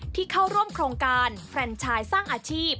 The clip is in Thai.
ที่เข้าร่วมโครงการแฟรนชายสร้างอาชีพ